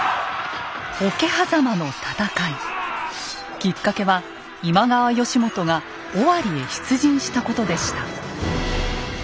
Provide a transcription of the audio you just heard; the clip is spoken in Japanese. きっかけは今川義元が尾張へ出陣したことでした。